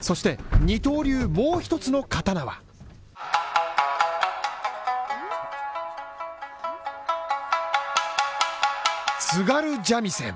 そして二刀流、もう一つの刀は津軽三味線。